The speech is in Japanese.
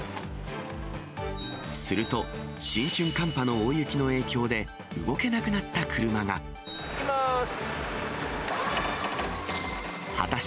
すると、新春寒波の大雪の影響で、動けなくなった車が。いきまーす。